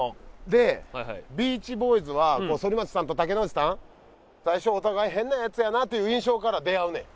で『ビーチボーイズ』は反町さんと竹野内さん最初お互い変なヤツやなという印象から出会うねん。